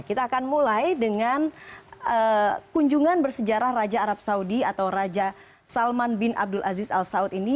kita akan mulai dengan kunjungan bersejarah raja arab saudi atau raja salman bin abdul aziz al saud ini